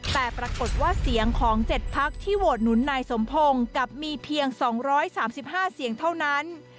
แต่ปรากฏว่าเสียงของ๗พักที่โหวตหนุนนายสมพงศ์กลับมีเพียง๒๓๕เสียงเท่านั้น